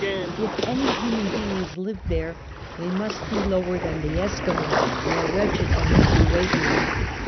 If any human beings lived there they must bo lower than the Eskimo, more wretched than the Fuegian.